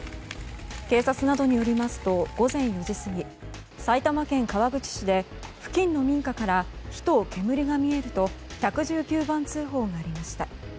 警察などによりますと午前４時過ぎ埼玉県川口市で付近の民家から火と煙が見えると１１９番通報がありました。